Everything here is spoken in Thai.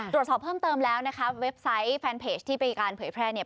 ตรวจสอบเพิ่มเติมแล้วนะคะเว็บไซต์แฟนเพจที่มีการเผยแพร่เนี่ย